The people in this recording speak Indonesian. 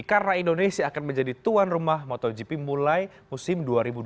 karena indonesia akan menjadi tuan rumah motogp mulai musim dua ribu dua puluh satu